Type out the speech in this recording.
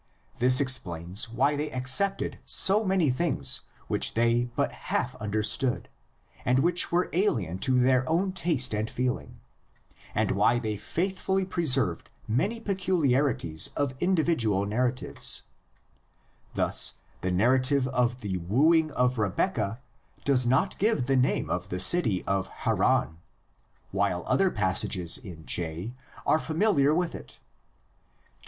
This explains why they accepted so many things which they but half understood and which were alien to their own taste and feeling; and why THE LATER COLLECTIONS. 131 they faithfully preserved many peculiarities of individual narratives, — thus the narrative of the wooing of Rebeccah does not give the name of the city of Haran, while other passages in J are familiar with it (xxvii.